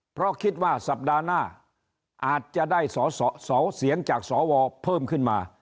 เพราะคิดว่าสัปดาห์หน้าอาจจะได้สอสอเสียงจากสวเพิ่มขึ้นมา